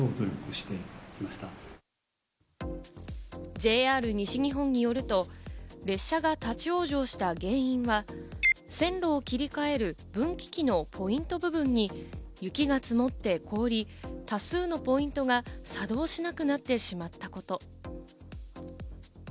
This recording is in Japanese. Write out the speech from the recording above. ＪＲ西日本によると列車が立ち往生した原因は、線路を切り替える分岐器のポイント部分に、雪が積もって凍り、多数のポイントが作動しなくなってしまったこと。